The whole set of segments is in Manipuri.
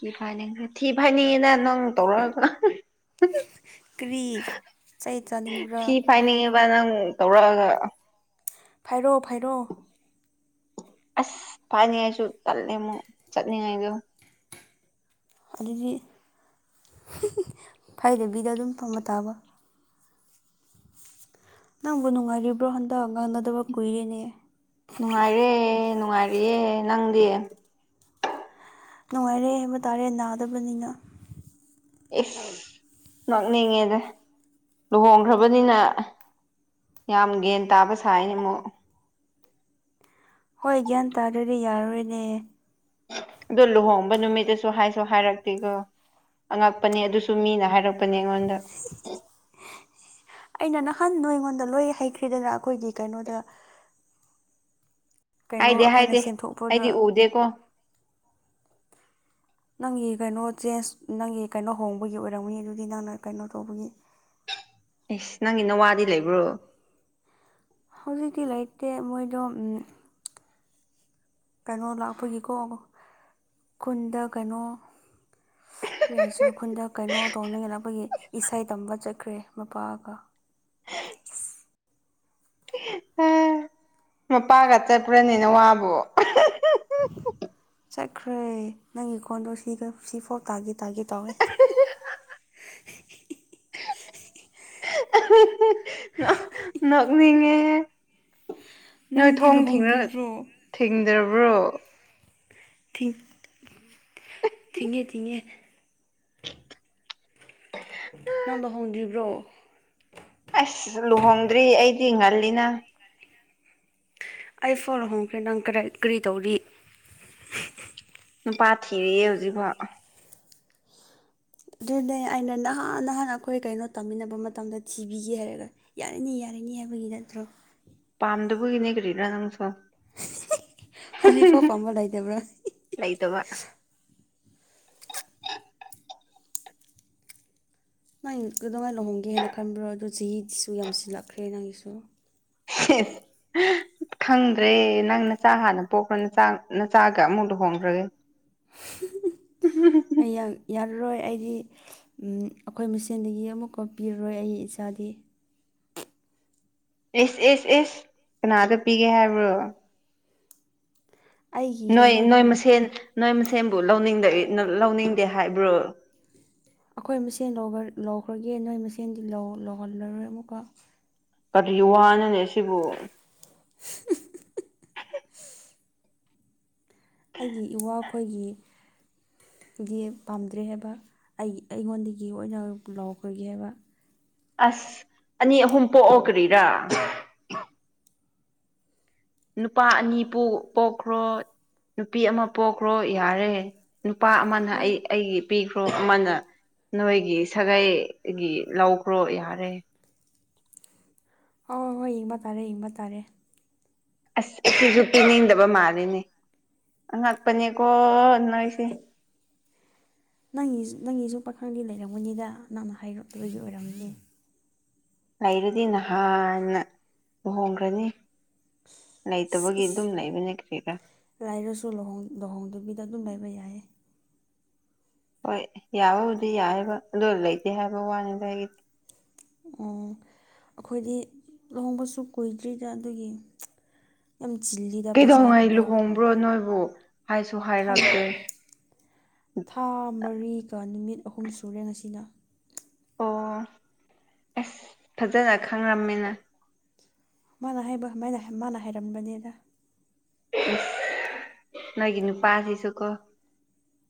ꯊꯤ ꯐꯥꯏꯅꯤꯡ ꯊꯤ ꯐꯥꯏꯅꯤꯡꯉꯤꯗ ꯅꯪ ꯇꯧꯔꯛꯑꯒ ꯀ꯭ꯔꯤ ꯆꯩ ꯆꯥꯅꯤꯡꯕ꯭ꯔꯥ ꯊꯤ ꯐꯥꯏꯅꯤꯡꯉꯦꯕ ꯅꯪ ꯇꯧꯔꯛꯑꯒ ꯐꯥꯏꯔꯣ ꯐꯥꯏꯔꯣ ꯑꯁ ꯐꯥꯏꯅꯤꯉꯥꯏꯁꯨ ꯇꯜꯂꯦꯃꯨꯛ ꯆꯠꯅꯤꯡꯉꯥꯏꯗꯣ ꯑꯗꯨꯗꯤ ꯐꯥꯏꯗꯕꯤꯗ ꯑꯗꯨꯝ ꯐꯝꯕ ꯇꯥꯕ ꯅꯪꯕꯨ ꯅꯨꯡꯉꯥꯏꯔꯤꯕ꯭ꯔꯣ ꯍꯟꯗꯛ ꯉꯥꯡꯅꯗꯕ ꯀꯨꯏꯔꯦꯅꯦ ꯅꯨꯡꯉꯥꯏꯔꯦ ꯅꯨꯡꯉꯥꯏꯔꯤꯌꯦ ꯅꯪꯗꯤ ꯅꯨꯡꯉꯥꯏꯔꯦ ꯍꯥꯏꯕ ꯇꯥꯔꯦ ꯅꯥꯗꯕꯅꯤꯅ ꯏꯁ ꯅꯣꯛꯅꯤꯡꯉꯦꯗ ꯂꯨꯍꯣꯡꯈ꯭ꯔꯕꯅꯤꯅ ꯌꯥꯝ ꯒ꯭ꯌꯥꯟ ꯇꯥꯕ ꯁꯥꯏꯅꯦ ꯑꯃꯨꯛ ꯍꯣꯏ ꯒ꯭ꯌꯥꯟ ꯇꯥꯗ꯭ꯔꯗꯤ ꯌꯥꯔꯔꯣꯏꯅꯦ ꯑꯗꯣ ꯂꯨꯍꯣꯡꯕ ꯅꯨꯃꯤꯠꯇꯁꯨ ꯍꯥꯏꯁꯨ ꯍꯥꯏꯔꯛꯇꯦꯒꯣ ꯑꯉꯛꯄꯅꯦ ꯑꯗꯨꯁꯨ ꯃꯤꯅ ꯍꯥꯏꯔꯛꯄꯅꯦ ꯑꯩꯉꯣꯟꯗ ꯑꯩꯅ ꯅꯍꯥꯟ ꯅꯣꯏꯉꯣꯟꯗ ꯂꯣꯏ ꯍꯩꯈ꯭ꯔꯤꯗꯅ ꯑꯩꯈꯣꯏꯒꯤ ꯀꯩꯅꯣꯗ ꯀꯩꯅꯣ ꯍꯥꯏꯗꯦ ꯑꯩꯈꯣꯏꯅ ꯍꯥꯏꯗꯦ ꯁꯦꯝꯗꯣꯛꯄꯗ ꯑꯩꯗꯤ ꯎꯗꯦꯀꯣ ꯅꯪꯒꯤ ꯀꯩꯅꯣ ꯆꯦꯟꯖ ꯅꯪꯒꯤ ꯀꯩꯅꯣ ꯍꯣꯡꯕꯒꯤ ꯑꯣꯏꯔꯝꯅꯤ ꯑꯗꯨꯗꯤ ꯅꯪꯅ ꯀꯩꯅꯣ ꯇꯧꯕꯒꯤ ꯑꯦꯁ ꯅꯪꯒꯤ ꯅꯋꯥꯗꯤ ꯂꯩꯕ꯭ꯔꯣ ꯍꯧꯖꯤꯛꯇꯤ ꯂꯩꯇꯦ ꯃꯣꯏꯗꯣ ꯎꯝ ꯀꯩꯅꯣ ꯂꯥꯛꯄꯒꯤꯀꯣ ꯈꯨꯟꯗ ꯀꯩꯅꯣ ꯀ꯭ꯔꯤ ꯍꯥꯏꯁꯤꯔ ꯈꯨꯟꯗ ꯀꯩꯅꯣ ꯇꯧꯅꯤꯌꯦ ꯂꯥꯛꯄꯒꯤ ꯏꯁꯩ ꯇꯝꯕ ꯆꯠꯈ꯭ꯔꯦ ꯃꯄꯥꯒ ꯎ ꯃꯄꯥꯒ ꯆꯠꯄ꯭ꯔꯅꯦ ꯅꯋꯥꯕꯨ ꯆꯠꯈ꯭ꯔꯦ ꯅꯪꯒꯤ ꯈꯣꯟꯗꯣ ꯁꯤꯒ ꯁꯤꯐꯥꯎ ꯇꯥꯒꯦ ꯇꯥꯒꯦ ꯇꯧꯋꯦ ꯅꯣꯛꯅꯤꯡꯉꯦꯍꯦ ꯅꯣꯏ ꯅꯪꯗꯤ ꯊꯣꯡ ꯊꯤꯡꯑꯒ ꯂꯨꯍꯣꯡꯗ꯭ꯔꯤꯕ꯭ꯔꯣ ꯊꯤꯡꯗ꯭ꯔꯕ꯭ꯔꯣ ꯊꯤ ꯊꯤꯡꯉꯦ ꯊꯤꯡꯉꯦ ꯅꯪ ꯂꯨꯍꯣꯡꯗ꯭ꯔꯤꯕ꯭ꯔꯣ ꯑꯁ ꯂꯨꯍꯣꯡꯗ꯭ꯔꯤ ꯑꯩꯗꯤ ꯉꯜꯂꯤꯅꯥ ꯑꯩ ꯐꯧ ꯂꯨꯍꯣꯡꯈ꯭ꯔꯦ ꯅꯪ ꯀꯔꯥꯏ ꯀꯔꯤ ꯇꯧꯔꯤ ꯅꯨꯄꯥ ꯊꯤꯔꯤꯌꯦ ꯍꯧꯖꯤꯛꯐꯥꯎ ꯑꯗꯨꯅꯦ ꯑꯩꯅ ꯅꯍꯥꯟ ꯅꯍꯥꯟ ꯑꯩꯈꯣꯏ ꯀꯩꯅꯣ ꯇꯝꯃꯤꯟꯅꯕ ꯃꯇꯝꯗ ꯊꯤꯕꯤꯒꯦ ꯍꯥꯏꯔꯒ ꯌꯥꯔꯤꯅꯤ ꯌꯥꯔꯤꯅꯤ ꯍꯥꯏꯕꯒꯤ ꯅꯠꯇ꯭ꯔꯣ ꯄꯥꯝꯗꯕꯒꯤꯅꯦ ꯀꯔꯤꯔ ꯅꯪꯁꯨ ꯍꯧꯖꯤꯛꯐꯥꯎ ꯄꯥꯝꯕ ꯂꯩꯥꯇꯕ꯭ꯔꯥ ꯂꯩꯇꯕ [unintelligible] ꯅꯪ ꯀꯩꯗꯧꯉꯩ ꯂꯨꯍꯣꯡꯒꯦ ꯍꯥꯏꯅ ꯈꯟꯕ꯭ꯔꯣ ꯑꯗꯣ ꯆꯍꯤꯁꯤꯁꯨ ꯌꯥꯝꯁꯤꯜꯂꯛꯈ꯭ꯔꯦ ꯅꯪꯒꯤꯁꯨ [unintelligible] ꯈꯪꯗ꯭ꯔꯦ ꯅꯪ ꯅꯆꯥ ꯍꯥꯟꯅ ꯄꯣꯛꯑꯣ ꯅ ꯅꯆꯥꯒ ꯑꯃꯨꯛ ꯂꯨ ꯍꯣꯡꯈ꯭ꯔꯒꯦ ꯑꯩ ꯌꯥꯝ ꯌꯥꯔꯔꯣꯏ ꯑꯩꯗꯤ ꯑꯩꯈꯣꯏ ꯃꯁꯦꯟꯗꯒꯤ ꯑꯃꯨꯛꯀꯥ ꯄꯤꯔꯔꯣꯏ ꯑꯩ ꯏꯆꯥꯗꯤ ꯑꯦꯁ ꯑꯦꯁ ꯑꯦꯁ ꯀꯅꯥꯗ ꯄꯤꯒꯦ ꯍꯥꯏꯕ꯭ꯔꯣ ꯑꯩꯒꯤ ꯅꯣꯏ ꯀꯩꯅꯣꯕꯨ ꯅꯣꯏ ꯃꯁꯦꯟ ꯅꯣꯏ ꯃꯁꯦꯟꯕꯨ ꯂꯧꯅꯤꯡꯗꯦ ꯂꯧꯅꯤꯡꯗꯦ ꯍꯥꯏꯕ꯭ꯔꯣ ꯑꯩꯈꯣꯏ ꯃꯁꯦꯟ ꯂꯧ ꯂꯧꯈ꯭ꯔꯒꯦ ꯅꯣꯏ ꯃꯁꯦꯟꯗꯤ ꯂꯧ ꯂꯧꯍꯜꯂꯔꯣꯏ ꯑꯃꯨꯛꯀ ꯀꯔꯤ ꯋꯥꯅꯣꯅꯦ ꯁꯤꯕꯨ ꯑꯩꯒꯤ ꯏꯋꯥꯈꯣꯏꯒꯤ ꯒꯦ ꯄꯥꯝꯗ꯭ꯔꯦ ꯍꯥꯏꯕ ꯑꯩ ꯑꯩꯉꯣꯟꯗꯒꯤ ꯑꯣꯏꯅ ꯂꯥꯎꯈ꯭ꯔꯒꯦ ꯍꯥꯏꯕ ꯑꯁ ꯑꯅꯤ ꯑꯍꯨꯝ ꯄꯣꯛꯑꯣ ꯀ꯭ꯔꯤꯔꯥ ꯅꯨꯄꯥ ꯑꯅꯤ ꯄꯣꯛꯈ꯭ꯔꯣ ꯅꯨꯄꯤ ꯑꯃ ꯄꯣꯛꯈ꯭ꯔꯣ ꯌꯥꯔꯦ ꯅꯨꯄꯥ ꯑꯃꯅ ꯍꯣꯏ ꯑꯩ ꯑꯩꯒꯤ ꯄꯤꯈ꯭ꯔꯣ ꯑꯃꯅ ꯅꯣꯏꯒꯤ ꯁꯥꯒꯩꯒꯤ ꯂꯧꯈ꯭ꯔꯣ ꯌꯥꯔꯦ ꯍꯣꯏ ꯍꯣꯏ ꯍꯣꯏ ꯌꯦꯡꯕ ꯇꯥꯔꯦ ꯌꯦꯡꯕ ꯇꯥꯔꯦ ꯑꯁ ꯁꯤꯁꯨ ꯄꯤꯅꯤꯡꯗꯕ ꯃꯥꯜꯂꯤꯅꯦ ꯑꯉꯛꯄꯅꯦꯀꯣ ꯅꯣꯏꯁꯦ ꯅꯪꯒꯤꯁꯨ ꯅꯪꯒꯤꯁꯨ ꯄꯥꯈꯪꯗꯤ ꯂꯩꯔꯝꯒꯅꯤꯗ ꯅꯪꯅ ꯍꯥꯏꯔꯛꯇꯕꯒꯤ ꯑꯣꯏꯔꯝꯅꯤ ꯂꯩꯔꯗꯤ ꯅꯍꯥꯟꯅ ꯂꯨꯍꯣꯡꯈ꯭ꯔꯅꯤ ꯂꯩꯇꯕꯒꯤ ꯑꯗꯨꯝ ꯂꯩꯕꯅꯦ ꯀ꯭ꯔꯤꯔꯥ ꯂꯥꯏꯔꯁꯨ ꯂꯨꯍꯣꯡ ꯂꯨꯍꯣꯡꯗꯕꯤꯗ ꯑꯗꯨꯝ ꯂꯩꯕ ꯌꯥꯏꯌꯦ꯫ ꯍꯣꯏ ꯌꯥꯕꯕꯨꯗꯤ ꯌꯥꯏꯌꯦꯕ ꯑꯗꯨ ꯂꯩꯇꯦ ꯍꯥꯏꯕ ꯋꯥꯅꯤꯗ ꯑꯩꯒꯤꯗꯤ꯫ ꯎꯝ ꯑꯈꯣꯏꯗꯤ ꯂꯨꯍꯣꯡꯕꯁꯨ ꯀꯨꯏꯗ꯭ꯔꯤꯗ ꯑꯗꯨꯒꯤ ꯌꯥꯝ ꯆꯤꯜꯂꯤꯗ ꯄꯩꯁꯥꯒꯨꯝꯕ ꯕ꯭ꯔꯣ ꯅꯣꯏꯕꯨ ꯍꯥꯏꯁꯨ ꯊꯥ ꯍꯥꯏꯔꯛꯇꯦ ꯊꯥ ꯃꯔꯤꯒ ꯅꯨꯃꯤꯠ ꯑꯍꯨꯝ ꯁꯨꯔꯦ ꯉꯁꯤꯅ꯫ ꯑꯣ ꯑꯁ ꯐꯖꯅ ꯈꯪꯔꯝꯃꯦꯅ꯫ ꯃꯥꯅ ꯍꯥꯏꯕ ꯃꯥꯅ ꯃꯥꯅ ꯍꯥꯏꯔꯝꯕꯅꯤꯗ꯫ ꯅꯣꯏꯒꯤ ꯅꯨꯄꯥꯁꯤꯁꯨꯀꯣ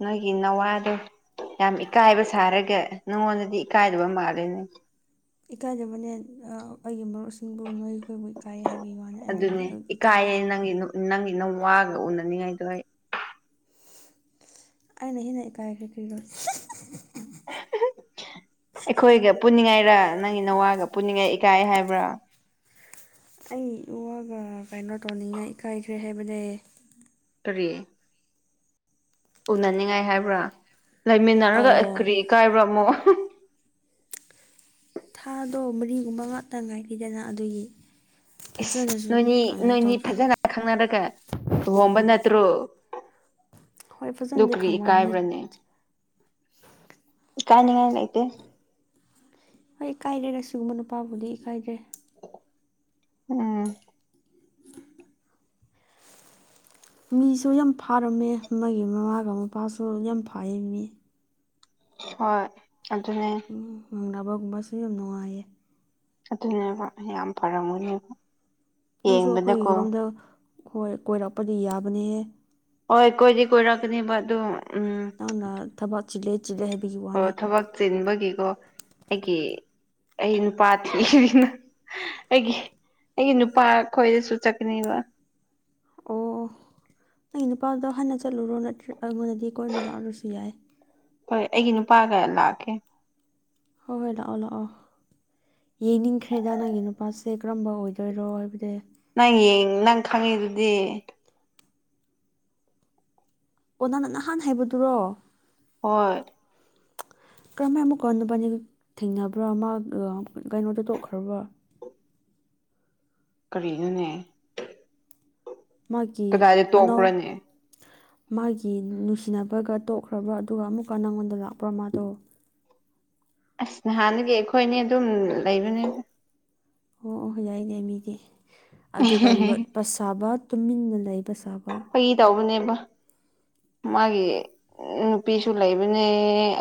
ꯅꯣꯏꯒꯤ ꯅꯋꯥꯗꯣ ꯌꯥꯝ ꯏꯀꯥꯏꯕ ꯁꯥꯔꯒ ꯅꯉꯣꯟꯗꯗꯤ ꯏꯀꯥꯏꯗꯕ ꯃꯥꯜꯂꯦꯅꯦ꯫ ꯏꯀꯥꯏꯗꯕꯅꯦ ꯑ ꯑꯩꯒꯤ ꯃꯔꯨꯞꯁꯤꯡꯕꯨ ꯅꯣꯏꯈꯣꯏꯕꯨ ꯏꯀꯥꯏ ꯍꯥꯏꯕꯒꯤ ꯋꯥꯅꯦ꯫ ꯑꯗꯨꯅꯦ ꯏꯀꯥꯏꯌꯦ ꯅꯪꯒꯤ ꯅꯪꯒꯤ ꯅꯋꯥꯒ ꯎꯅꯅꯤꯡꯉꯥꯏꯗꯣ ꯑꯩ꯫ ꯑꯩꯅ ꯍꯦꯟꯅ ꯏꯀꯥꯏꯈ꯭ꯔꯦ ꯀ꯭ꯔꯤꯔꯣ꯫ ꯑꯩꯈꯣꯏꯒ ꯄꯨꯅꯤꯡꯉꯥꯏꯔ ꯅꯪꯒꯤ ꯅꯋꯥꯒ ꯄꯨꯅꯤꯡꯉꯥꯏ ꯏꯀꯥꯏ ꯍꯥꯏꯕ꯭ꯔꯥ꯫ ꯑꯩ ꯏꯋꯥꯒ ꯀꯩꯅꯣ ꯇꯧꯅꯤꯡꯉꯥꯏ ꯏꯀꯥꯏꯈ꯭ꯔꯦ ꯍꯥꯏꯕꯅꯦ꯫ ꯀꯔꯤ? ꯎꯅꯅꯤꯡꯉꯥꯏ ꯍꯥꯏꯕ꯭ꯔꯥ ꯂꯩꯃꯤꯟꯅꯔꯒ ꯑꯣ ꯀꯔꯤ ꯏꯀꯥꯏꯕ꯭ꯔꯥ ꯑꯃꯨꯛ ꯊꯥꯗꯣ ꯃꯔꯤꯒꯨꯝꯕ ꯉꯥꯛꯇ ꯉꯥꯏꯒꯤꯗꯅ ꯑꯗꯨꯒꯤ ꯏꯁ ꯐꯖꯅꯁꯨ ꯅꯣꯏꯅꯤ ꯀꯩꯅꯣ ꯅꯣꯏꯅꯤ ꯇꯧꯗ꯭ꯔꯦ ꯐꯖꯅ ꯈꯪꯅꯔꯒ ꯂꯨꯍꯣꯡꯕ ꯅꯠꯇ꯭ꯔꯣ? ꯍꯣꯏ ꯗꯨ ꯐꯖꯅꯗꯤ ꯀ꯭ꯔꯤ ꯈꯪꯅꯕꯅꯦ ꯏꯀꯥꯏꯕ꯭ꯔꯅꯦ? ꯏꯀꯥꯏꯅꯤꯉꯥꯏ ꯂꯩꯇꯦ꯫ ꯍꯣꯏ ꯏꯀꯥꯏꯗꯦꯗ ꯁꯨꯝꯕ ꯅꯨꯄꯥꯕꯨꯗꯤ ꯏꯀꯥꯏꯒ꯭ꯔꯦ꯫ ꯎꯝ ꯃꯤꯁꯨ ꯌꯥꯝ ꯐꯥꯔꯝꯃꯦ ꯃꯥꯒꯤ ꯃꯃꯥꯒ ꯃꯄꯥꯁꯨ ꯌꯥꯝ ꯐꯥꯏꯌꯦ ꯃꯤ꯫ ꯍꯣꯏ ꯑꯗꯨꯅꯦ ꯎ ꯉꯥꯡꯅꯕꯒꯨꯝꯕꯁꯨ ꯌꯥꯝ ꯅꯨꯡꯉꯥꯏꯌꯦ꯫ ꯑꯗꯨꯅꯦꯕ ꯌꯥꯝ ꯐꯔꯝꯒꯅꯦꯕ꯫ ꯅꯪꯁꯨ ꯑꯈꯣꯏ ꯌꯦꯡꯕꯗꯀꯣ ꯔꯣꯝꯗ ꯈꯣꯏ ꯀꯣꯏꯔꯛꯄꯗꯤ ꯌꯥꯕꯅꯦꯍꯦ꯫ ꯍꯣꯏ ꯀꯣꯏꯗꯤ ꯀꯣꯏꯔꯛꯀꯅꯦꯕ ꯑꯗꯨ ꯎꯝ ꯅꯪꯅ ꯊꯕꯛ ꯆꯤꯜꯂꯦ ꯆꯤꯜꯂꯦ ꯍꯥꯢꯕꯒꯤ ꯑꯣ ꯊꯕꯛ ꯆꯤꯟꯕꯒꯤꯀꯣ ꯑꯩꯒꯤ ꯑꯩ ꯅꯨꯄꯥ ꯊꯤꯔꯤꯅ ꯑꯩꯒꯤ ꯑꯩꯒꯤ ꯅꯨꯄꯥ ꯈꯣꯏꯗꯁꯨ ꯆꯠꯀꯅꯤꯕ꯫ ꯑꯣ ꯑꯣ ꯅꯪꯒꯤ ꯅꯨꯄꯥꯗꯣ ꯍꯥꯟꯅ ꯆꯠꯂꯨꯔꯣ ꯅꯠꯇ꯭ꯔꯦ ꯑꯩꯉꯣꯟꯗꯗꯤ ꯀꯣꯟꯅ ꯂꯥꯛꯔꯁꯨ ꯌꯥꯏ꯫ ꯍꯣꯏ ꯑꯩꯒꯤ ꯅꯨꯄꯥꯒ ꯂꯥꯛꯀꯦ꯫ ꯍꯣꯏ ꯍꯣꯏ ꯂꯥꯛꯑꯣ ꯂꯥꯛꯑꯣ꯫ ꯌꯦꯡꯅꯤꯡꯈ꯭ꯔꯦꯗ ꯅꯪꯒꯤ ꯅꯨꯄꯥꯁꯦ ꯀꯔꯝꯕ ꯑꯣꯏꯗꯣꯏꯔꯣ ꯍꯥꯏꯕꯗꯤ꯫ ꯅꯪ ꯌꯦꯡ ꯅꯪ ꯈꯪꯉꯤ ꯗꯨꯗꯤ꯫ ꯑꯣ ꯅꯪꯅꯥ ꯅꯍꯥꯟ ꯍꯥꯏꯕꯗꯨꯔꯣ? ꯍꯣꯏ ꯀꯔꯝꯃꯥꯏꯅ ꯑꯃꯨꯛꯀ ꯅꯕꯥꯅꯤ ꯊꯦꯡꯅꯕ꯭ꯔꯥ ꯃꯒꯥ ꯀꯩꯅꯣꯗꯣ ꯇꯣꯛꯈ꯭ꯔꯕ꯭ꯔꯥ? ꯀꯔꯤꯅꯣꯅꯦ? ꯃꯥꯒꯤ ꯀꯗꯥꯏꯗ ꯑꯅꯧ ꯇꯣꯛꯄ꯭ꯔꯅꯦ ꯃꯥꯒꯤ ꯅꯨꯡꯁꯤꯅꯕꯒ ꯇꯣꯛꯈ꯭ꯔꯕ꯭ꯔꯥ ꯑꯗꯨꯒ ꯑꯃꯨꯛꯀ ꯅꯪꯉꯣꯟꯗ ꯂꯥꯛꯄ꯭ꯔꯥ ꯃꯥꯗꯣ? ꯑꯁ ꯅꯍꯥꯟꯗꯒꯤ ꯑꯩꯈꯣꯏꯅꯤ ꯑꯗꯨꯝ ꯂꯩꯕꯅꯤꯗ ꯑꯣ ꯑꯣ ꯌꯥꯏꯅꯦ ꯃꯤꯗꯤ ꯑꯗꯨꯒ ꯂꯣꯠꯄ ꯁꯥꯕ ꯇꯨꯃꯤꯟꯅ ꯂꯩꯕ ꯁꯥꯕ ꯐꯒꯤ ꯇꯧꯕꯅꯦꯕ ꯃꯥꯒꯤ ꯅꯨꯄꯤꯁꯨ ꯂꯩꯕꯅꯦ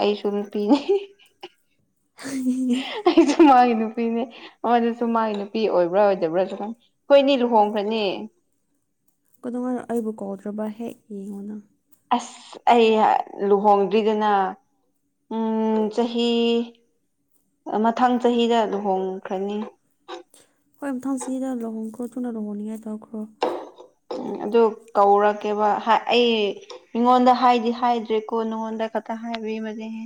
ꯑꯩꯁꯨ ꯅꯨꯄꯤꯅꯦ [unintelligible] ꯑꯩꯁꯨ ꯃꯥꯒꯤ ꯅꯨꯄꯤꯅꯦ ꯑꯣ ꯑꯗꯨꯁꯨ ꯃꯥꯒꯤ ꯅꯨꯄꯤ ꯑꯣꯏꯕ꯭ꯔꯥ ꯑꯣꯏꯗꯕ꯭ꯔꯥꯁꯨ ꯈꯪ ꯍꯣꯏꯅꯤ ꯂꯨꯍꯣꯡꯕꯅꯦ ꯑꯩꯕꯨ ꯀꯧꯗ꯭ꯔꯕ ꯍꯦꯛ ꯌꯦꯡꯉꯣ ꯅꯪ ꯑꯁ ꯑꯩ ꯂꯨꯍꯣꯡꯗ꯭ꯔꯤꯗꯅ ꯎꯝ ꯆꯍꯤ ꯃꯊꯪ ꯆꯍꯤꯗ ꯂꯨꯍꯣꯡꯈ꯭ꯔꯅꯤ ꯍꯣꯏ ꯃꯊꯪ ꯆꯍꯤꯗꯥ ꯂꯨꯍꯣꯡꯈ꯭ꯔꯣ ꯊꯨꯅ ꯂꯨꯍꯣꯡꯅꯤꯡꯉꯥꯏ ꯇꯧꯈ꯭ꯔꯣ ꯎꯝ ꯑꯗꯨ ꯀꯧꯔꯛꯀꯦꯕ ꯍꯥ ꯑꯩ ꯃꯤꯉꯣꯟꯗ ꯍꯥꯏꯗꯤ ꯍꯥꯏꯗ꯭ꯔꯦꯀꯣ ꯅꯉꯣꯟꯗ ꯈꯛꯇ ꯍꯥꯏꯕꯤꯕꯅꯦꯍꯦ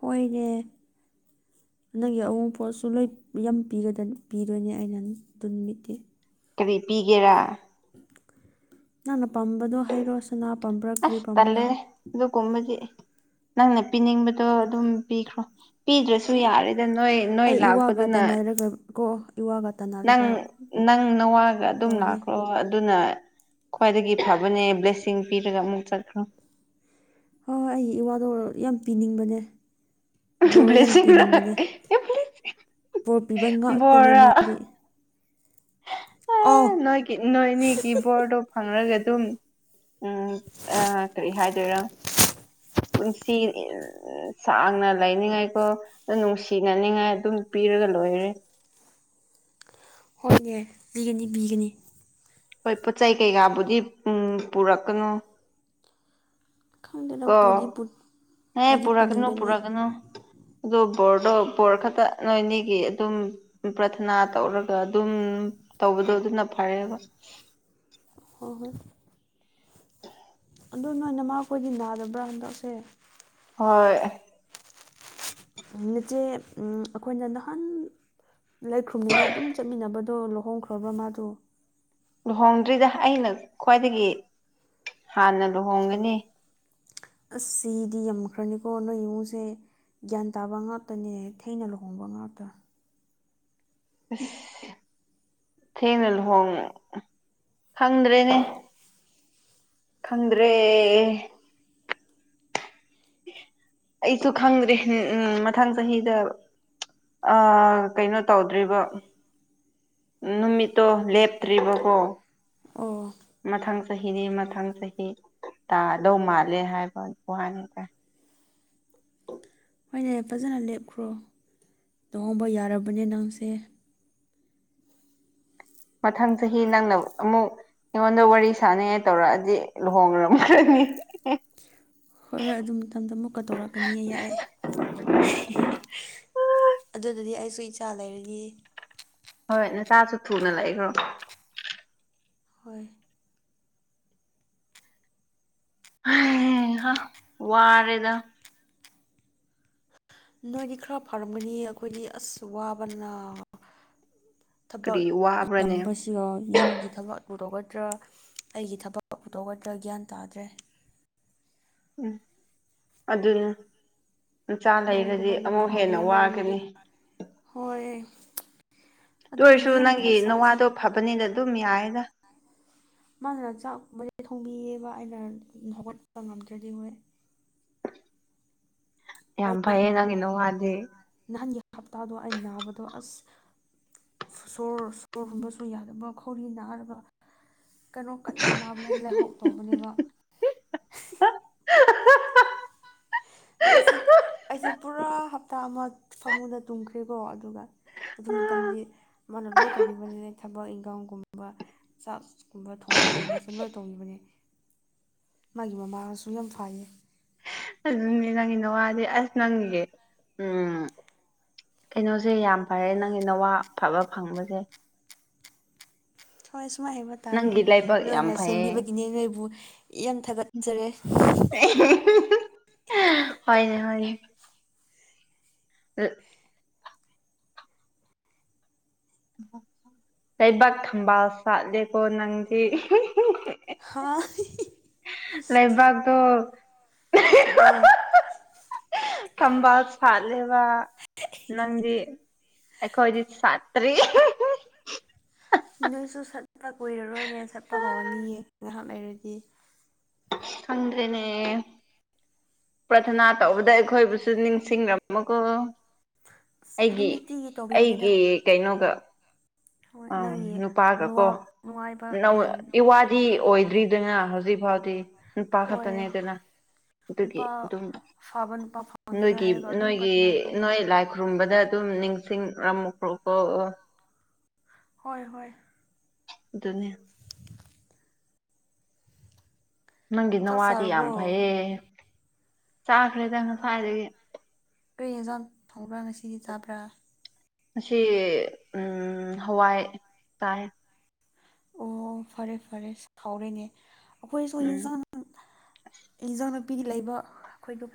ꯍꯣꯏꯅꯦ ꯅꯪꯒꯤ ꯑꯌꯨꯅꯄꯣꯠꯁꯨ ꯂꯣꯏ ꯌꯥꯝ ꯄꯤꯒꯗꯅꯤ ꯄꯤꯗꯣꯏꯅꯦ ꯑꯩꯅ [unintelligible] ꯀꯔꯤ ꯄꯤꯒꯦꯔꯥ ꯅꯪꯅ ꯄꯥꯝꯕꯗꯣ ꯍꯥꯏꯔꯣꯁ ꯁꯅꯥ ꯄꯥꯝꯕꯔꯥ ꯑꯁ ꯇꯜꯂꯦ ꯑꯗꯨꯒꯨꯝꯕꯗꯤ ꯅꯪꯅ ꯄꯤꯅꯤꯡꯕꯗꯣ ꯑꯗꯨꯝ ꯄꯤꯈ꯭ꯔꯣ ꯄꯤꯗ꯭ꯔꯁꯨ ꯍꯣꯏ ꯌꯥꯔꯦꯗ ꯅꯣꯏ ꯅꯣꯏ ꯑꯩ ꯏꯋꯥꯒ ꯂꯥꯛꯄꯗꯨꯅ ꯇꯅꯔꯒ ꯀꯣ ꯏꯋꯥꯒ ꯅꯪ ꯇꯥꯟꯅꯔꯒ ꯅꯪ ꯅꯋꯥꯒ ꯑꯗꯨꯝ ꯂꯧꯒꯦ ꯂꯥꯛꯈ꯭ꯔꯣ ꯑꯗꯨꯅ ꯈ꯭ꯋꯥꯏꯗꯒꯤ ꯐꯕꯅꯦ ꯕ꯭ꯂꯦꯁꯤꯡ ꯄꯤꯔꯒ ꯑꯃꯨꯛ ꯆꯠꯈ꯭ꯔꯣ ꯍꯣꯏ ꯍꯣꯏ ꯑꯩ ꯏꯋꯥꯗꯣ ꯌꯥꯝ ꯄꯤꯅꯤꯡꯕꯅꯦ ꯕꯣꯔ ꯌꯥꯝ ꯕ꯭ꯂꯦꯁꯤꯡꯔ ꯄꯤꯅꯤꯡꯕꯅꯦ ꯕꯣꯔ ꯄꯤꯕ ꯉꯥꯛꯇꯅꯦ ꯕꯣꯔꯔꯥ ꯃꯥꯗꯤ ꯑ‌ꯣ ꯅꯣꯏꯒꯤ ꯅꯣꯏ ꯑꯅꯤꯒꯤ ꯕꯣꯔꯗꯣ ꯐꯪꯉꯔꯒ ꯑꯗꯨꯝ ꯎꯝ ꯑꯥ ꯀꯔꯤ ꯍꯥꯏꯗꯣꯏꯔꯥ ꯄꯨꯟꯁꯤ ꯁꯥꯡꯅ ꯂꯩꯅꯤꯡꯉꯥꯏꯀꯣ ꯅꯨꯡꯁꯤꯅꯅꯤꯡꯉꯥꯏ ꯑꯗꯨꯝ ꯄꯤꯔꯒ ꯂꯣꯏꯔꯦ ꯍꯣꯏꯅꯦ ꯄꯤꯒꯅꯤ ꯄꯤꯒꯅꯤ ꯍꯣꯏ ꯄꯣꯠ ꯆꯩ ꯀꯩꯀꯥꯕꯨꯗꯤ ꯎꯝ ꯄꯨꯔꯛꯀꯅꯨ ꯈꯪꯗꯦꯗ ꯀꯣ ꯄꯨꯗꯤ ꯍꯦ ꯄꯤꯗꯤ ꯄꯨꯔꯛꯒꯅꯨ ꯄꯤꯅꯤꯡꯕꯅꯦ ꯄꯨꯔꯛꯒꯅꯨ ꯑꯗꯣ ꯕꯣꯔꯗꯣ ꯕꯣꯔ ꯈꯛꯇ ꯅꯣꯏꯅꯤꯒꯤ ꯑꯗꯨꯝ ꯄ꯭ꯔꯊꯅꯥ ꯇꯧꯔꯒ ꯑꯗꯨꯝ ꯇꯧꯕꯗꯣ ꯑꯗꯨꯅ ꯐꯔꯦꯕ ꯍꯣꯏ ꯍꯣꯏ ꯑꯗꯣ ꯅꯣꯏ ꯅꯃꯥꯈꯣꯏꯗꯤ ꯅꯥꯗꯕ꯭ꯔꯥ ꯍꯟꯗꯛꯁꯦ ꯍꯣꯏ ꯏꯆꯦ ꯑꯩꯈꯣꯏꯅ ꯅꯍꯥꯟ ꯂꯥꯏꯈ꯭ꯔꯨꯝꯅꯤꯡꯉꯥꯏ ꯑꯗꯨꯝ ꯆꯠꯃꯤꯟꯅꯕꯗꯣ ꯂꯨꯍꯣꯡꯈ꯭ꯔꯕ꯭ꯔ ꯃꯥꯗꯣ ꯂꯨꯍꯣꯡꯗ꯭ꯔꯤꯗ ꯑꯩꯅ ꯈ꯭ꯋꯥꯏꯗꯒꯤ ꯍꯥꯟꯅ ꯂꯨꯍꯣꯡꯒꯅꯤ ꯑꯁ ꯁꯤꯗꯤ ꯌꯥꯝꯃꯛꯈ꯭ꯔꯅꯤꯀꯣ ꯅꯣꯏ ꯏꯃꯨꯡꯁꯦ ꯒ꯭ꯌꯥꯟ ꯇꯥꯕ ꯉꯥꯛꯇꯅꯦ ꯊꯦꯅ ꯂꯨꯍꯣꯡꯕ ꯉꯥꯛꯇ [unintelligible] ꯊꯦꯡꯅ ꯂꯨꯍꯣꯡ ꯈꯪꯗ꯭ꯔꯦꯅꯦ ꯈꯪꯗ꯭ꯔꯦ ꯑꯩꯁꯨ ꯈꯪꯗ꯭ꯔꯦ ꯎꯝ ꯃꯊꯪ ꯆꯍꯤꯗ ꯑ ꯀꯩꯅꯣ ꯇꯧꯗ꯭ꯔꯤꯕ ꯅꯨꯃꯤꯠꯇꯣ ꯂꯦꯞꯇ꯭ꯔꯤꯕꯀꯣ ꯑꯣ ꯃꯊꯪ ꯆꯍꯤꯗꯤ ꯃꯊꯪ ꯆꯍꯤ ꯇꯥꯗꯧ ꯃꯥꯜꯂꯦ ꯍꯥꯏꯕ ꯋꯥꯅꯤ ꯗꯥ ꯍꯣꯏꯅꯦ ꯐꯖꯅ ꯂꯦꯞꯈ꯭ꯔꯣ ꯂꯨꯍꯣꯡꯕ ꯌꯥꯔꯕꯅꯦ ꯅꯪꯁꯦ ꯃꯊꯪ ꯆꯍꯤ ꯅꯪꯅ ꯑꯃꯨꯛ ꯑꯩꯉꯣꯟꯗ ꯋꯥꯔꯤ ꯁꯥꯟꯅꯉꯥꯏ ꯇꯧꯔꯛꯑꯗꯤ ꯂꯨꯍꯣꯡꯔꯝꯔꯅꯤ ꯍꯣꯏ ꯍꯣꯏ ꯑꯗꯨ ꯃꯇꯝꯗ ꯃꯨꯛꯀ ꯇꯧꯔꯛꯀꯅꯤꯌꯦ ꯌꯥꯏꯑꯦ ꯑꯗꯨꯗꯗꯤ ꯑꯩꯁꯨ ꯏꯆꯥ ꯂꯩꯔꯅꯤ ꯍꯣꯏ ꯅꯆꯥꯁꯨ ꯊꯨꯅ ꯂꯩꯈ꯭ꯔꯣ ꯍꯣꯏ ꯍꯩ ꯍꯥ ꯋꯥꯔꯦꯗ ꯅꯣꯏꯗꯤ ꯈꯔ ꯐꯔꯝꯒꯅꯤ ꯑꯩꯈꯣꯏꯗꯤ ꯑꯁ ꯋꯥꯕꯅ ꯊꯕꯛ ꯀꯔꯤ ꯋꯥꯕ꯭ꯔꯅꯦ ꯌꯥꯝꯕꯁ ꯌꯨꯝꯒꯤ ꯊꯕꯛ ꯇꯧꯒꯇ꯭ꯔꯥ ꯑꯩꯒꯤ ꯊꯕꯛꯄꯨ ꯇꯧꯒꯇ꯭ꯔꯥ ꯒ꯭ꯌꯥꯟ ꯇꯥꯗ꯭ꯔꯦ ꯎꯝ ꯑꯗꯨꯅ ꯅꯆꯥ ꯂꯩꯔꯗꯤ ꯂꯨꯍꯣꯡꯗꯕꯅ ꯑꯃꯨꯛ ꯍꯦꯟꯅ ꯐꯕꯅꯦ ꯑꯃꯔꯣꯝꯗꯤ ꯋꯥꯒꯅꯤ ꯍꯣꯏ ꯇꯧꯏ ꯑꯣꯏꯔꯁꯨ ꯑꯗꯨꯒꯤꯅꯦ ꯌꯥꯝ ꯅꯪꯒꯤ ꯃꯊꯥ ꯅꯋꯥꯗꯣ ꯁꯥꯔꯤꯁꯦ ꯐꯕꯅꯤꯅ ꯑꯗꯨꯝ ꯌꯥꯏꯌꯦꯗ ꯃꯥꯅ ꯆꯥꯛꯀꯨꯝꯕꯗꯤ ꯊꯣꯡꯕꯤꯌꯦꯕ ꯑꯩꯅ ꯍꯧꯒꯠꯄ ꯉꯝꯗ꯭ꯔꯗꯤ ꯍꯣꯏ ꯌꯥꯝ ꯑꯩ ꯐꯩꯌꯦ ꯅꯪꯒꯤ ꯅꯋꯥꯗꯤ ꯅꯍꯥꯟꯒꯤ ꯍꯞꯇꯥꯗꯣ ꯑꯩ ꯅꯥꯕꯗꯣ ꯑꯁ ꯁꯣꯔ ꯁꯣꯔ ꯍꯣꯟꯕꯁꯨ ꯌꯥꯗꯕ ꯈꯧꯔꯤ ꯅꯥꯔꯒ ꯀꯔꯣ ꯀꯟꯅ ꯅꯥꯕꯅꯦ ꯂꯥꯏꯍꯧ ꯇꯧꯕꯅꯦꯕ [unintelligible] ꯏꯁꯦ ꯑꯩꯁꯦ ꯄꯨꯔꯥ ꯍꯞꯇꯥ ꯑꯃ ꯐꯃꯨꯡꯗ ꯇꯨꯝꯈ꯭ꯔꯦꯀꯣ ꯑꯗꯨꯒ ꯑꯗꯨ ꯃꯇꯝꯗꯤ ꯃꯥꯅ ꯂꯣꯏ ꯇꯧꯕꯤꯕꯅꯦ ꯊꯕꯛ ꯏꯪꯈꯥꯡꯒꯨꯝꯕ ꯆꯥꯛꯀꯨꯝꯕ ꯊꯣꯡꯕꯒꯨꯝꯕ ꯂꯣꯏ ꯇꯧꯕꯤꯕꯅꯦ ꯃꯥꯒꯤ ꯃꯃꯥꯁꯨ ꯌꯥꯝ ꯐꯩꯌꯦ ꯪꯑꯗꯨꯅꯦ ꯅꯪꯒꯤ ꯅꯋꯥꯗꯤ ꯑꯁ ꯅꯪꯒꯤ ꯎꯝ ꯀꯩꯅꯣꯁꯦ ꯌꯥꯝ ꯐꯔꯦ ꯅꯪꯒꯤꯅꯋꯥ ꯑꯐꯕ ꯐꯪꯕꯁꯦ ꯊꯣꯏ ꯁꯨꯃꯥꯏ ꯍꯥꯏꯕ ꯇꯥꯔꯦ ꯅꯪꯒꯤ ꯂꯥꯏꯕꯛ ꯌꯥꯝ ꯅꯣꯏꯅ ꯐꯩꯌꯦ ꯁꯦꯝꯕꯤꯕꯒꯤꯅꯦ ꯅꯣꯏꯕꯨ ꯌꯥꯝ ꯊꯥꯒꯠꯆꯔꯦ [unintelligible] ꯍꯣꯏꯅꯦ ꯍꯣꯏꯅꯦ ꯑ ꯂꯩꯕꯥꯛ ꯊꯝꯕꯥꯜ ꯁꯥꯠꯂꯦꯀꯣ ꯅꯪꯗꯤ ꯍꯥ ꯂꯥꯏꯕꯥꯛꯇꯣ ꯑꯣ ꯊꯝꯕꯥꯜ ꯁꯥꯠꯂꯦꯕ ꯅꯪꯗꯤ ꯑꯩꯈꯣꯏꯗꯤ ꯁꯥꯠꯇ꯭ꯔꯤ ꯍꯤ ꯍꯤ ꯅꯣꯏꯁꯨ ꯁꯠꯄ ꯀꯨꯏꯔꯔꯣꯏꯅꯦ ꯁꯠꯄ ꯍꯧꯔꯅꯤꯌꯦ ꯉꯥꯏꯍꯥꯛ ꯂꯩꯔꯗꯤ ꯈꯪꯗ꯭ꯔꯦꯅꯦ ꯄ꯭ꯔꯊꯅꯥ ꯇꯧꯕꯗ ꯑꯩꯈꯣꯏꯕꯨꯁꯨ ꯅꯤꯡꯁꯤꯡꯔꯝꯃꯨꯀꯣ ꯑꯁ ꯑꯗꯨꯝ ꯑꯩꯒꯤ ꯅꯤꯇꯤꯒꯤ ꯇꯧꯕꯤꯕꯅꯤꯗ ꯑꯩꯒꯤ ꯀꯩꯅꯣꯒ ꯍꯣꯏ ꯑꯝ ꯅꯪꯒꯤ ꯅꯨꯄꯥꯥꯒ ꯀꯣ ꯅꯨꯋꯥ ꯅꯨꯡꯉꯥꯏꯕ ꯅꯧ ꯏꯋꯥꯗꯤ ꯑꯣꯏꯗ꯭ꯔꯤꯗꯅ ꯍꯧꯖꯤꯛ ꯐꯥꯎꯗꯤ꯫ ꯅꯨꯄꯥ ꯍꯣꯏ ꯈꯛꯇꯅꯦꯗꯅ꯫ ꯑꯗꯨꯒꯤ ꯅꯨꯄꯥ ꯑꯗꯨꯝ ꯐꯕ ꯅꯨꯄꯥ ꯐꯪꯅꯤꯡꯉꯥꯏ ꯅꯣꯏꯒꯤ ꯍꯥꯏꯔꯒ ꯑꯗꯨꯝ ꯅꯣꯏꯒꯤ ꯄ꯭ꯔꯊꯅꯥ ꯇꯧꯋꯦ ꯅꯣꯏ ꯂꯥꯏ ꯈꯔꯨꯝꯕꯗ ꯑꯗꯨꯝ ꯅꯤꯡꯁꯤꯡꯔꯝꯃꯨꯀ꯭ꯔꯣꯀꯣ꯫ ꯍꯣꯏ ꯍꯣꯏ꯫ ꯑꯗꯨꯅꯦ꯫ ꯅꯪꯒꯤ ꯆꯥꯛ ꯅꯋꯥꯗꯤ ꯌꯥꯝ ꯆꯥꯔꯕꯣ ꯐꯩꯌꯦ ꯆꯥꯈ꯭ꯔꯦꯗ ꯉꯁꯥꯏꯗꯒꯤ꯫ ꯀ꯭ꯔꯤ ꯌꯦꯟꯖꯥꯡ ꯊꯣꯡꯕ꯭ꯔꯥ ꯉꯁꯤꯗꯤ ꯆꯥꯕ꯭ꯔꯥ꯫ ꯉꯁꯤ ꯎꯝ ꯍꯋꯥꯏ ꯆꯥꯏ꯫ ꯑꯣ ꯐꯔꯦ ꯐꯔꯦ ꯍꯥꯎꯔꯦꯅꯦ ꯑꯩꯈꯣꯏꯁꯨ ꯎꯝ ꯌꯦꯟꯁꯥꯡ ꯏꯟꯖꯥꯡ ꯅꯄꯤꯗꯤ ꯂꯩꯕ ꯑꯩꯈꯣꯏꯗꯨ